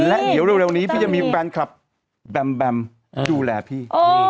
แล้วเร็วนี้พี่จะมีแฟนคลับแบมดูแลพี่